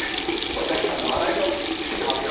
お客さんの笑いを引きつけてますよね。